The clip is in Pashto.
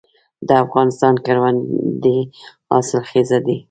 د افغانستان کروندې حاصلخیزه دي